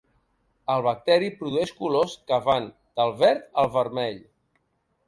El bacteri produeix colors que van del verd al vermell.